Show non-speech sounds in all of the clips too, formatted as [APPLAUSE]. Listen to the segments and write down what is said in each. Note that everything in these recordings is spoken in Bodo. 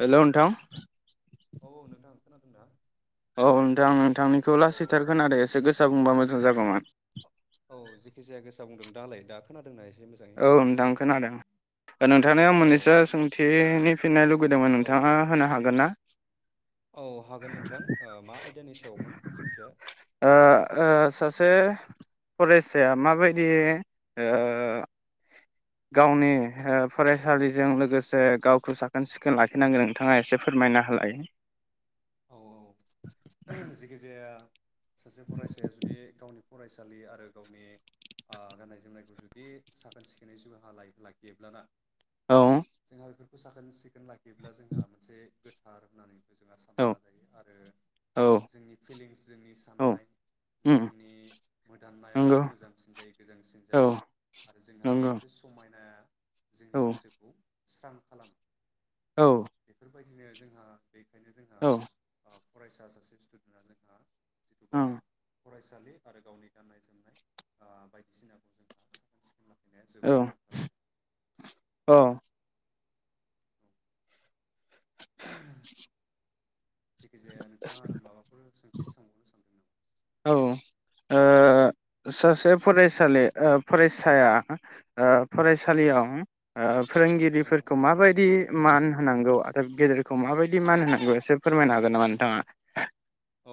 हेलौ नोंथां औ औ नोंथां खोनादों ना औ नोंथां नोंथांनिखौ औ लासैथार खोनादों एसे गोसा बुंबा मोज जागन औ जेखि जाया गोसा बुंदों दालाय दा खोना औ नोंथां खोनादों नोंथांनियाव औ मोननैसो सोंथिनि फिन्नाय लुगैदोंमोन औ नोंथाङा औ होनो हागोन ना औ हागोन नोंथां ओ मा आयदानि सायावमोन सोंथिया ओ ओ सासे फरायसाया माबायदि गावनि फरायसालिजों लोगोसे गावखौ साखोन सिखोन लाखिनांगोन नोंथाङा एसे फोरमायना होलायो औ औ जेखि जाया सासे फरायसाया जुदि गावनि फरायसालि आरो गावनि ओ गाननाय जोमनायखौ जुदि साखोन सिखोनै जुहा लायोब्ला गेब्लाना औ साखोन सि लाखियोब्ला जोंहा मोनसे हार होननानैबो जों सानना औ लाजायो आरो औ जोंनि फिलिंस जोंनि औ साननाय उम जोंनि मोदान्नाया नंगौ मोजांसिन जायो गोजांसिन औ जायो आरो जोंहा नंगौ मोनसे समायना औ जोंनि गोसोखौ स्रां खालाम औ बेबायदिनो जोंहा बेखायनो जोंहा औ फरायसा सासे स्टुडेन्टआ जोंहा [INAUDIBLE] थ'बा ओं फरायसालि आरो गावनि गाननाय जोमनाय ओ बायदिसिनाखौ जोंहा साखोन सिखोन या जोबोद औ गोनांथारानो औ [INAUDIBLE] जेखिजाया नोंथाङा आरो माबाफोर सों बि समावनो सानदोंमोन आं औ ओ सासे फरायसालि ओ फरायसाया ओ औ फरायसालियाव ओ औ फोरोंगिरिफोरखौ माबायदि मान होनांगौ आरो गेदेर खौ औ माबायदि मान होनांगौ एसे औ फोरमायनो हागोन नामा नोंथाङा औ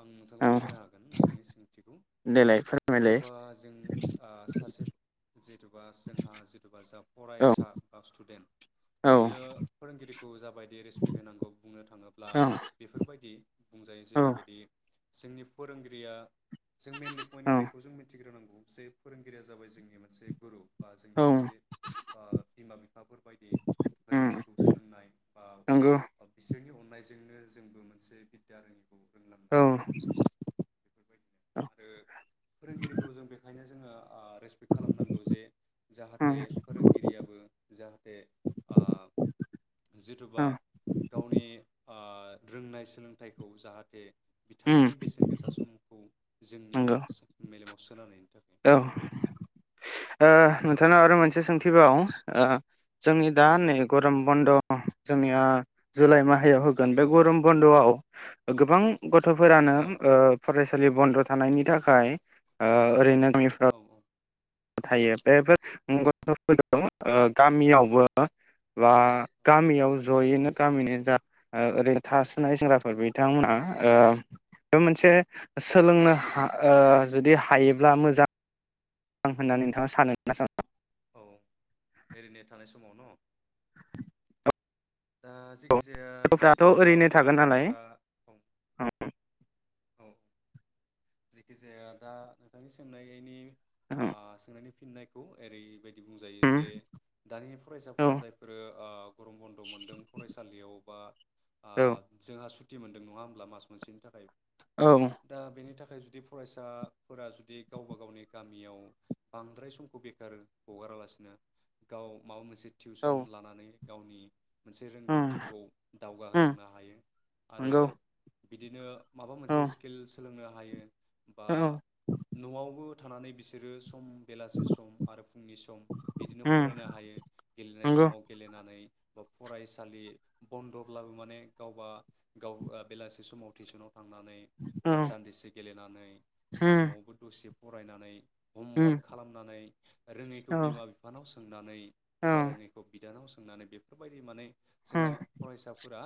आं नोंथांखौ औ फोरमायनो हागोन ओं निसिम मिथिगौ देलाय फोरमायलाय जिथुबा जों ओ सासे जेथुबा जोंहा जिथुबा जा औ फरायसा बा स्टुडेन्ट औ बेयो फोरोंगिरि खौ जाबायदि रेसपेक्ट होनांगौ बुंनो थाङोब्ला औ बेफोरबायदि बुंजायो औ जेरैबायदि जोंनि फोरोंगिरिया जों मेइनलि औ पइन्ट बेखौ जों मिथिग्रोनांगौ जे फोरोंगिरिया जाबाय जोंनि मोनसे गुरु बा जोंनि औ मोनसे बिमा बिफाफोर बायदि उम रोङैखौ सोलोंनाय बा नंगौ बिसोरनि अन नायजोंनो जोंबो मोनसे बिदि आरो औ रोंनाय बेफोरबायदिनो आरो फोरोंगिरिखौ जों बेखायनो जोङो ओ रेसपेक्ट खालामनांगौ जे उम जाहाथे फोरोंगिरियाबो जाहाथे ओ जिथुबा औ गावनि ओ रोंनाय सोलों थाइखौ जाहाथे उम बिथांनि बेसेन गोसा सम ओं जोंनियाव नंगौ मेलेमाव सोनानै औ ओ औ नोंथांनाव आरो मोनसे सोंथिबाव ओ जोंनि दा औ नै नोंथां गरम सोंलाय बन्द' जोंनिया जुलाइ माह हायाव होगोन बे औ औ गरम बन्द'आव गोबां ग थ'फोरानो ओ फरेस लि बन्द' थानायनि थाखाय ओ ओरैनो गामिफ्राव औ थायो बेफो मुं [INAUDIBLE] गामियावबो बा गामियाव ज'यैनो औ गामिनि जा ओ ओरै थासोनाय सेंग्राफोर बिथांमोना ओ बे मोनसे सोलोंनो उम हा ओ जुदि हायोब्ला मोजां आं होननानै नोंथाङा सानो ना साना? औ ओरैनो थानाय समाव न' दा जे खिजाया गथ'फ्राथ' जेदोबा ओरैनो थागोन नालाय फरायसाफोरा औ औ जेखिजाया दा नोंथांनि सोंनायैनि आ सोंनायनि फिननायखौ ओरैबायदि बुंजायो जे दानि औ फरायसाफोरा जायफोरो आ गरम बन्द' मोनदों फरायसालियाव बा आ जोंहा सु थि मोनदों नङा होमब्ला मास मोनसेनि थाखाय औ दा बेनि था खाय जुदि फरायसाफोरा जुदि गावबा गावनि गामियाव बांद्राय समखौ बेखारो हगारालासिनो गाव माबा मोनसे टिउसन औ लानानै गावनि मोनसे उम रोंगौथिखौ उम दावगाहोलांनो हायो आरो नंगौ बिदिनो माबा औ मोनसे स्किल सोलोंनो हायो। बा औ न'आवबो थानानै बिसोरो सम बेलासि सम आरो फुंनि सम बिदिनो उम फरायनो हायो गेलेनाय नंगौ समाव गेलेनानै बा फरायसालि बन्द'ब्लाबो माने गावबा गाव बेलासि समाव टिउसनाव थांनानै औ बा उम दान्दिसे गेलेनानै बा न'आवबो दसे फरायनानै उम हमवर्क खालामनानै रोङैखौ औ बिमा बिफानाव सों नानै बारोङैखौ बि दानाव सोंनानै बेफोरबायदि माने जोंहा उम फरायसाफोरा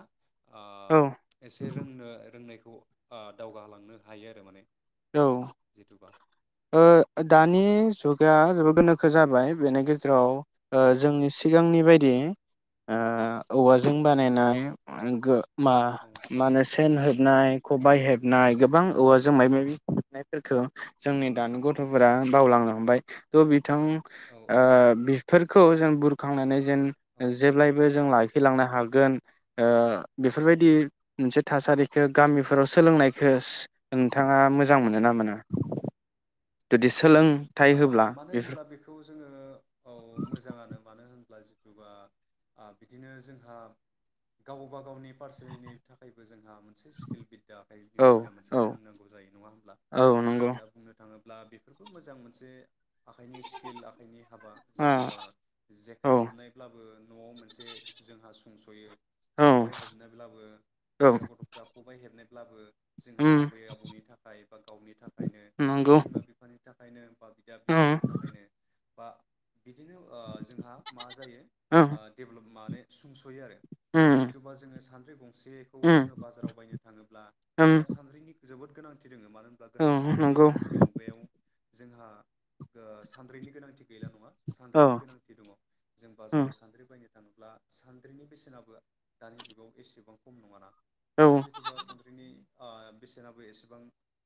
ओ औ एसे रोंनो रोंनायखौ ओ दावगालांनो हायो आरो माने औ जिथुबा ओ दानि जुगा जो गोनोखो जाबाय बेनि गेजेराव औ ओ औ जोंनि सिगांनि नंगौ बायदि नंगौ ओ औ औवाजों बानायनाय [UNINTELLIGIBLE] मा औ माने सेन हो नाय खबाय हेब नाय गोबां औ औवाजों मायबा माइबि नायफोरखौ जोंनि दानि गथ' गथ'फोरा औ बावलांनो हमबाय। थ' बि बिथां औ ओ औ नंगौ बेफोरखौ जों बुरखांनानै जेन औ जेब्लायबो जों लाख थैलांनो हागोन ओ बेफोरबायदि औ मोनसे थासारिखौ गामिफोराव सोलोंनायखोस नोंथाङा मोजा औ मोजां मोनो ना मोना? जुदि सो ओ मानो होनब्ला बेखौ जोङो औ मोजाङानो मानो होनब्ला जो बा आ बिदिनो जोंहा गावबा गावनि पार्सनेलनि थाखायबो जोंहा मोनसे स्किल बिद्दा आखाय औ बिद्दया मोनसे औ सोलोंनांगौ जायो नङा होमब्ला औ नंगौ दा बुंनो थाङो ब्ला बेफोरबो मोजां मोन जे आखाइनि स्किल आखाइनि हाबा ओ जिथुबा औ जेखाइ हबनायब्लाबो न'आव मोनसे सु जोंहा संसयो। औ खबाइ हबनायब्लाबो औ हौवासा गथ'फ्रा खबाइ हेबनो ब्लाबो जोंहा उम आबै आबौनि थाखाय बा गावनि थाखायनो बा नंगौ बिमा बिफानि थाख खायनो ओ बिद्दा बिफोरनि उम थाखायनो बा बिदिनो ओ जोंहा मा जायो उम ओ देभिलप मानो सुंस'यो आरो। उम सिथुबा जोङो सान [UNINTELLIGIBLE] सेखौ उम जोङो बाजाराव बायनो थाङोब्ला उम जोंहा सानद्रिनि जोबोद गोनांथि ‌ जोङो मानो होनब्ला औ गोनां दिनै नंगौ गोनोखो मुगायाव जोंहा ओ सानद्रैनि गोनांथि गैला नङा औ सानद्रिनि गोनांथि दङ जों उम बाजाराव सानद्रि बायनो थांब्ला सान्द्रिनि बेसेनाबो दानि जुगाव एसेबां खम नङाना। औ दा जिथुबा सानद्रिनि ओ बेसेनाबो एसेबां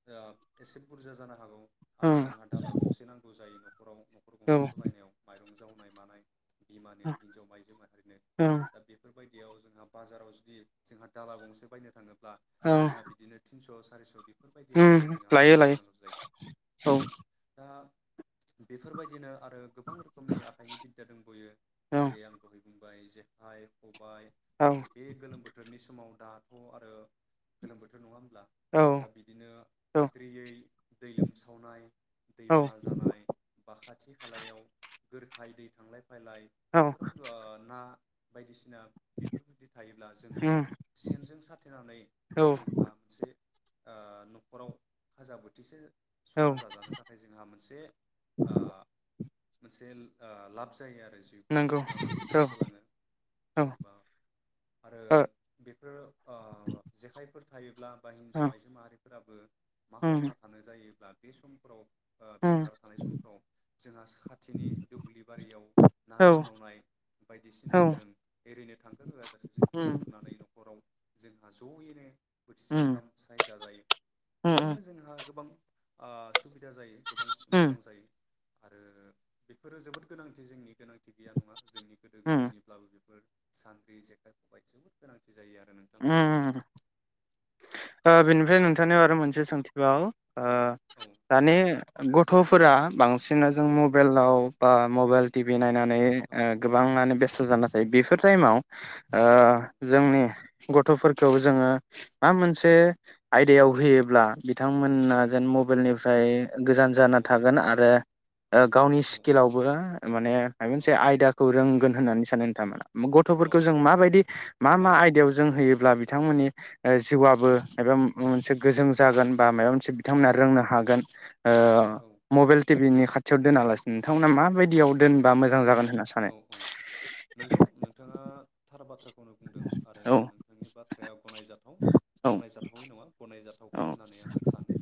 ओ एसे बुरजा जानो हागौ। आरो उम जोंहा दाला गंसे नांगौ जायो न' खराव, न'खर औ गंसे सालायनायाव माइरं जाव नाय मानाय बिमानो हिनजाव आइजो माहारिनो उम दा बेफोर बायदियाव जोंहा बाजाराव जुदि जोंहा दाला गंसे बायनो थाङो ब्ला जोंहा बिदिनो थिनस' सा सारिस' बिद ओम लायो लायो औ दा बेफोरबायदिनो आरो गोबां रोखोमनि आखाइनि बिद्दा दंबयो औ जेरै आं दहै बाय [UNINTELLIGIBLE] [UNINTELLIGIBLE] औ आरो बे गोलोम बोथोरनि समाव दाथ' आरो गोलोम बोथोर नङामोन औ [UNINTELLIGIBLE] दा बिदिनो औ आद्रियै दै लोमसावनाय औ दैबाना जानाय बा खाथि खालायाव गोरखायै दै थांलाय [UNINTELLIGIBLE] [UNINTELLIGIBLE] औ बेफोराव [UNINTELLIGIBLE] बायदिसिना [UNINTELLIGIBLE] बेफोरबायदि थायोब्ला जोङो उम सेनजों साथेनानै औ जोंहा मोनसे ओ न'खराव खाजा बोथिसे औ संना जाजानो था नाथाय जोंहा मोनसे ओ मोनसे ओ लाब जायो आरो [UNINTELLIGIBLE] नंगौ न'खरा मोनसे औ सुंस'लाङो औ जिथुबा आरो ओ बेफोर जेखायफोर थायोब्ला बा ओ हिनजाव आइजो माहारि फोराबो मा उम खालामना थानो जायोब्ला बे समफोराव ओ उम बेखार थानाय समफ्राव जोंहा खाथिनि दुब्लि बारियाव ना औ रोनावनाय बायदिसिनाखौ उम जों ओरैनो थांगार होआ जासे जों ना उम गुरनानै न'खराव जोंहा ज'यैनो बोथिसे उम ओंखाम स्राय जाजायो बिब्दिनो उम जोंहा गोबां आ सुबि दा जायो गोबां मोजां जायो आरो बेफोरो जोबोद गोनांथि जोंनि गोनांथि गैया नङा हम सानद्रि जेखाइ खबाय जोबोद गोनांथि जायो आरो नोंथां हम हम हम ओ बेनिफ्राय नोंथांनियाव आरो मोनसे सोंथि बाव आ औ दानि ग थ'फोरा बां सिना जों औ मबेलाव बा मबाइल टिभिनाय नानै औ ओ गोबाङानो बे खस्थ जाना थायो बेफोर टाइमाव ओ औ जोंनि गथ'फोरखौ जोङो मा मोनसे आयदायाव होयोब्ला बिथांमोना जेन मबेलनिफ्राय गोजान जाना औ थागोन आरो ओ गावनि औ स्किललावबो माने माबा औ मोनसे आयदाखौ रोंगोन होननानै सानो नोंथाङामा गथ'फोरखौ जों माबायदि मा औ मा आयदायाव होयोब्ला बिथांमोननि ओ जिउआबो मायबा मोनसे गोजों जागोन बा मायबा मोनसे बिथांमोना रोंनो हागोन ओ मबेल टिभिनि खाथि थियाव दोनालासिनो नोंथांमोना माबायदियाव दोनबा मोजां जागोन होनना सानो औ औ नोंगौ नोंथाङा थार बाथ्राख खौनो बुंदों आरो औ नोंथांनि बाथ्राया गनायजाथाव औ गनायजाथावै नङा गनाय जाथावगोन औ होननानै आं सानो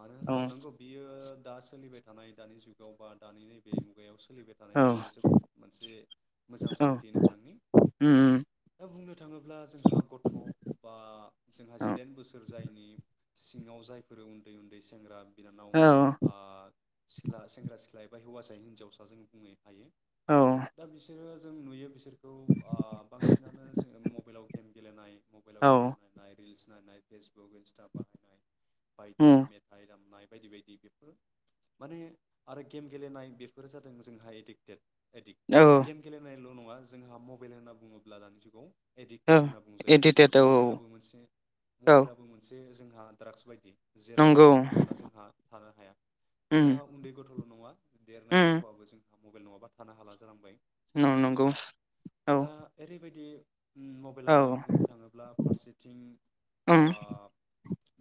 मानो होनब्ला नोंगौ बियो दा सोलिबाय थानाय दानि जुगाव बा दानि नैबे मुगायाव सोलिबाय था औ बियो जोबोद मोनसे मोजां औ सोंथि नोंथांनि उम दा बुंनो थाङोब्ला जोंहा गथ' बा जोंहा औ जिदाइन बोसोर जायनि सिङाव जायफोरो उन्दै उन्दै सेंग्रा बिनानाव औ आ सिख्ला सेंग्रा सिख्ला एबा हौवासाय हिनजावसा जों बुङो हायो दा बिसोरो जों नुयो बिसोरखौ ओ बांसिनानो जोङो मबाइलाव गेम गेलेनाय मबाइलाव औ भिडिअ नायनाय रिल्स नायनाय फेज गुग इनस्था बाहायनाय बायदि उम मेथाइ दामनाय बायदि बायदि बेफोर माने आरो गेम गेलेनाय बेफोरो जादों जोंहा एदिक देद एदिग औ गेम गेलनाय बेल' नङा जोंहा मबेल होन्ना बुङोब्ला दानि जुगाव औ एडिक्टेड होनना एडिटेड औ बुंजायो मबेला मोनसे औ मबेलाबो मोनसे जों आ द्राग्स बायदि जेराव नंगौ मबेल नङाब्ला उम जोंहा थानो हाया जोंहा उन्दै गथ'ल' नङा देरनाय उम गथ'आबो जोंहा मबेल नङाबा थानो हाला जालांबाय न दानि नंगौ जुगाव औ दा ओरैबायदि मबेला औ बुंनो थाङोब्ला फारसेथिं उम ओ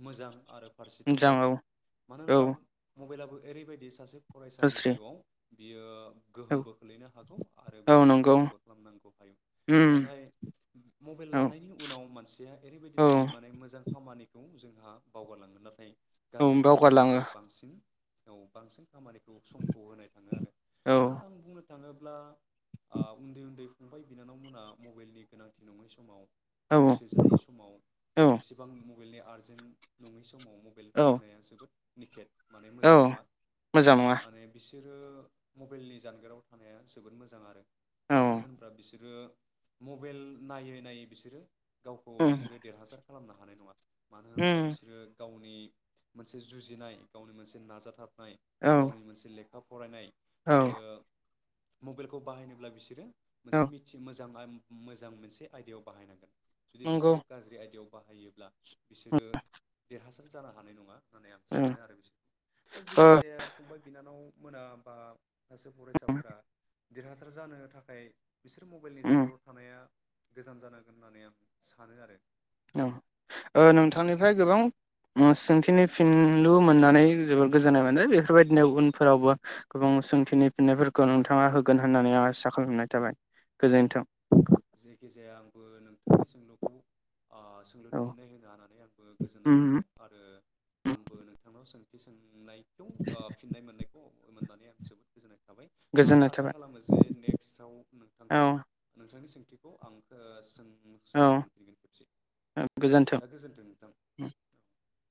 मोजां आरो फारसेथिं मोजां औ गाज्रि मानो औ होनबा मबेलाबो ओरैबायदि सासे फरायसानि दस्रि जिउआव बियो औ गोहोमबो खोलैनो हागौ आरो औ बेखौ नंगौ मोजांबो खालामनांगौ हायो उम नाथाय मबेल औ लानायनि उनाव मानसिया ओरैबायदि औ जायो माने मोजां खामानि खौ जोंहा बावगारलाङो नाथाय औ गाज्रि खामानियावसो बावगारलाङो बांसिन औ बांसिन खामानिखौ समखौ होनाय थांङो आरो औ दा आं बुंनो थांङोब्ला ओ उन्दै -उन्दै फंबाय बिनानावमोना मबाइलनि गोनांथि नंङै समाव औ बैसो जायै समाव औ एसेबां मु मबायलनि आर्जेन्ट नंङै समाव मबाइल औ थुनाया जोबोद निखेट माने औ मोजां नंङा मोजां नङा माने बिसोर ओ म मबेइलनि जानगाराव थानाया जोबोद मोजां आरो औ मानो होनोब्ला बिसोरो मबेइल नायै- नायै बिसोरो गावखौ उम बिसोरो देरहासार खालामनो हानाय नंङा मानो होनब्ला उम बिसोरो गावनि मोनसे जुजिनाय गावनि मोनसे नाजाथाब औ गावनि मोनसे लेख खा फरायनाय औ आरो मबाइलखौ बाहायनोब्ला बिसोरो मोनसे औ मिथि मोजां मा मोजां मोनसे आयदायाव बाहायनांगोन जुदि नंगौ बिसोरो गाज्रि आयदायाव बाहायोब्ला बिसोरो देरहासार जानो हानाय नंङा होननानै आं ओ सानो आरो बिसोर दा जेखि ओ जाया फंबाय बिनानाव मोनाबा सासे उम फरायसाफोरा देरहासार जानो थाखाय बिसोर मबाइलनि उम जानगाराव थानाया गोजान जानांगोन होननानै आं सानो आरो ओ ओ नोंथांनिफ्राय गोबां ओम सोंथिनि फिनलु मोननानै जोबोद गोजोननाय मोनदों बेफोरबायदिनो उनफोरावबो गोबां सोंथिनि फिननायफोरखौ नोंथांङा होगोन होननानै आं आसा खालामनाय थाबाय औ औ गोजोन्थों जायखिजाया आंबो नोंथांनि सोंलुखौ ओ सोंलुनि औ फिननाय होनो हानानै आंबो गोजोननाय उम मोनबाय आरो आंबो नोंथांनाव सों बिसों लाइक थ फिननाय मोननायखौ मोननानै आं जोबोद गोजोननाय जाबाय आं गोजोननाय आसा थाबाय खालामो जे नेक्स्टाव औ नोंथांनि सोंथिखौ आं ओ सों औ जानो मोनफैनगोन खेबसे दा गोजोन्थों नोंथां [INAUDIBLE]